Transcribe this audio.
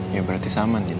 ya berarti sama din